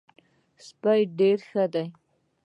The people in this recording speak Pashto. سپی ډېر ښه دی.